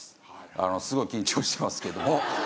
すごい緊張してますけども。